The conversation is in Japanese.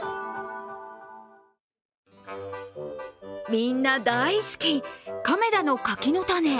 みんな大好き、亀田の柿の種。